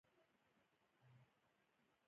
دا سیستم یو سیالیز او رقابتي سیستم دی.